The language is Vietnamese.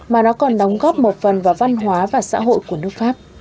mà nó còn đóng góp một phần vào văn hóa và xã hội của nước pháp